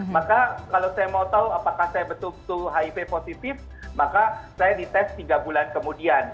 maka kalau saya mau tahu apakah saya betul betul hiv positif maka saya dites tiga bulan kemudian